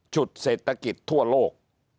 เศรษฐกิจทั่วโลก